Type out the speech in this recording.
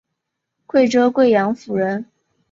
贵州贵阳府人。